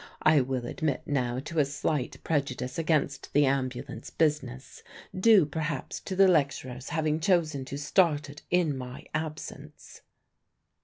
I will admit now to a slight prejudice against the Ambulance business due perhaps to the lecturer's having chosen to start it in my absence.